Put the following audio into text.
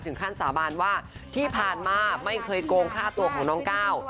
ขั้นสาบานว่าที่ผ่านมาไม่เคยโกงฆ่าตัวของน้องก้าว